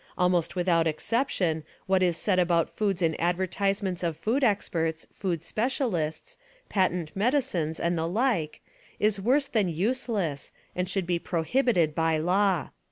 Almost with mation out exception what is said about foods in advertisements of food experts, food speciahsts, patent medicines and the like, is worse than useless and should be prohibited by law.